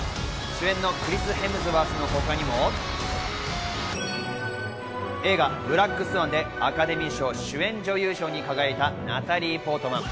主演のクリス・ヘムズワーズのほかにも映画『ブラック・スワン』でアカデミー賞主演女優賞に輝いたナタリー・ポートマン。